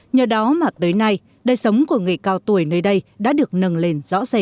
nhờ đó mà tới nay đời sống của người cao tuổi nơi đây đã được nâng lên rõ rệt